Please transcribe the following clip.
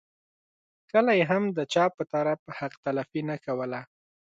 کله یې هم د چا په طرف حق تلفي نه کوله.